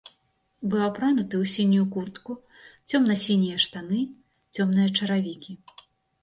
Быў апрануты ў сінюю куртку, цёмна-сінія штаны, цёмныя чаравікі.